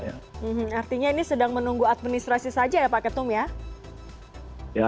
artinya ini sedang menunggu administrasi saja ya pak ketum ya